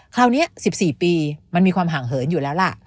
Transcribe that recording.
คราวนี้๑๔ปีมันมีความห่างเหินอยู่แล้วล่ะ